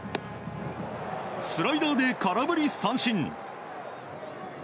スライダーで空振り三振！